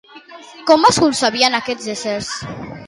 Com es concebien aquests éssers?